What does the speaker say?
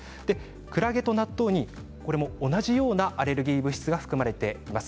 くらげと納豆に同じようなアレルギー物質が含まれています。